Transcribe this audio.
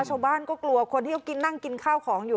ชาวบ้านก็กลัวคนที่เขากินนั่งกินข้าวของอยู่